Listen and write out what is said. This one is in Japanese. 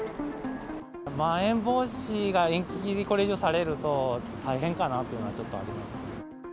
まん延防止が延期、これ以上されると、大変かなというのはちょっとありますね。